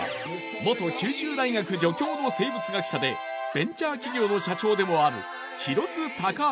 元九州大学助教の生物学者でベンチャー企業の社長でもある。